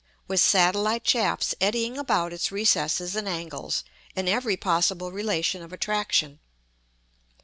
with satellite shafts eddying about its recesses and angles, in every possible relation of attraction.